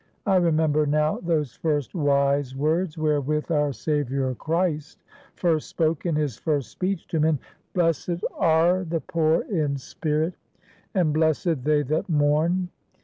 I remember now those first wise words, wherewith our Savior Christ first spoke in his first speech to men: 'Blessed are the poor in spirit, and blessed they that mourn.'